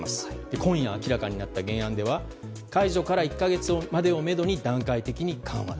今夜明らかになった原案では解除から１か月をめどに段階的に緩和。